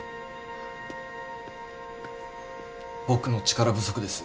僕の力不足です